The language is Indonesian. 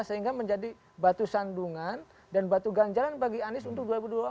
sehingga menjadi batu sandungan dan batu ganjalan bagi anies untuk dua ribu dua puluh empat